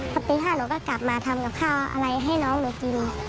พอตี๕หนูก็กลับมาทำกับข้าวอะไรให้น้องหนูกิน